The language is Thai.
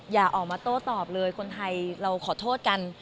อย่าออกมาโต้ตอบเลยคนไทยเราขอโทษกัน